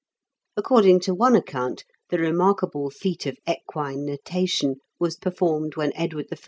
According to one account, the remarkable feat of equine natation was performed when Edward I.